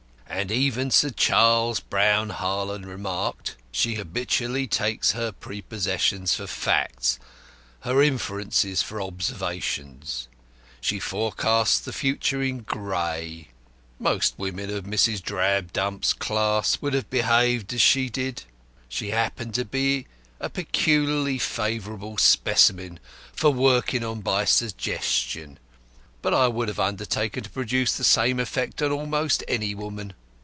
As even Sir Charles Brown Harland remarked, she habitually takes her prepossessions for facts, her inferences for observations. She forecasts the future in grey. Most women of Mrs. Drabdump's class would have behaved as she did. She happened to be a peculiarly favourable specimen for working on by 'suggestion,' but I would have undertaken to produce the same effect on almost any woman.